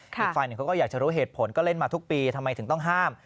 อีกฝ่ายหนึ่งเขาก็อยากจะรู้เหตุผลก็เล่นมาทุกปีทำไมถึงต้องห้าม